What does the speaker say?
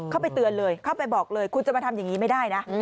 เข้าไปเตือนเลยเข้าไปบอกเลยคุณจะมาทำอย่างนี้ไม่ได้นะ